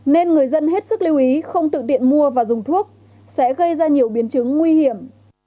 nên người dân hết sức lưu ý không tự mua và dùng thuốc sẽ gây ra nhiều biến chứng nguy hiểm